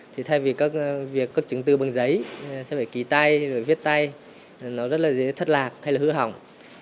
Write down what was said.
thì thay vì các chứng tử bằng giấy sẽ phải ký tay viết tay nó rất là dễ thất lạc hay là hư hỏng